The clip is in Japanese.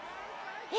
え